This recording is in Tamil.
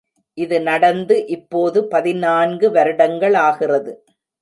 இது நடந்து இப்போது பதினான்கு வருடங்களாகிறது.